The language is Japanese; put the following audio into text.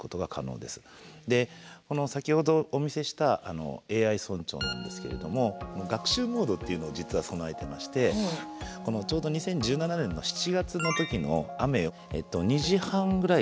先ほどお見せしたＡＩ村長なんですけれども学習モードっていうのを実は備えてましてちょうど２０１７年の７月の時の雨２時半ぐらいから雨がひどく続いて避難指示が出せなかったんですよね。